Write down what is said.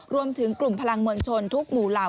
รวมถึงกลุ่มพลังมวลชนทุกหมู่เหล่า